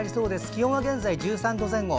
気温は現在１３度前後。